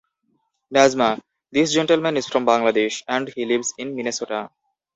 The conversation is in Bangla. Nazma, this gentleman is from Bangladesh and he lives in Minnesota.